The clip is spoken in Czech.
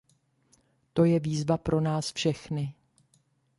To je výzva pro nás všechny.